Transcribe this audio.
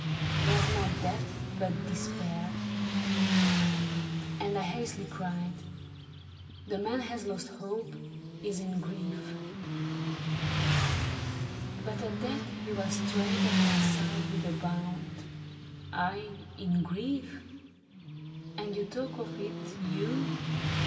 'Twas not death, but despair ; and I hastily cried, '^ The man has lost hope, is in grief —" But at that He was straight at my side v/ith a bound :" Ay, in grief ! And you talk of it, you